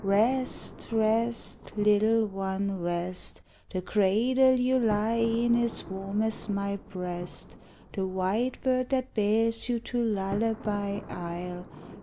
Rest, rest, little one, rest; The cradle you lie in is warm as my breast, The white bird that bears you to Lullaby Isle.